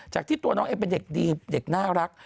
จากที่ตัวน้องเอ็มเป็นเด็กดีเด็กน่ารัก